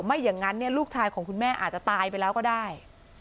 ไม่อย่างนั้นลูกชายของคุณแม่อาจจะตายไปแล้วก็ได้